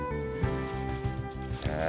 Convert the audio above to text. へえ。